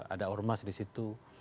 ada ormas di situ